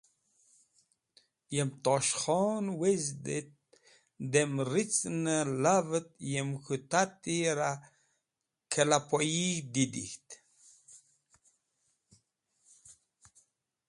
Yem Tosh Khon wezdi et adem ricn lav et yem k̃hũ tati ra kẽlapoy didig̃hd.